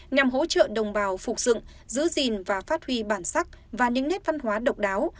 nhằm hỗ trợ đồng bào phục dựng giữ gìn và phát huy bản sắc và những nét văn hóa độc đáo